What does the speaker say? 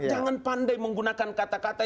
jangan pandai menggunakan kata kata